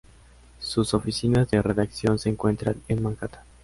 Sus oficinas de redacción se encuentran en Manhattan.